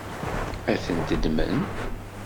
Ad ten-ddmen?